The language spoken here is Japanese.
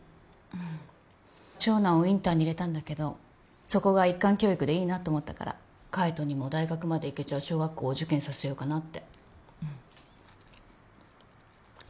長男をインターに入れたんだけどそこが一貫教育でいいなと思ったから海斗にも大学までいけちゃう小学校をお受験させようかなって。